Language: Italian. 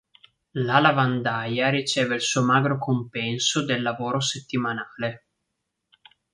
La lavandaia riceve il suo magro compenso del lavoro settimanale.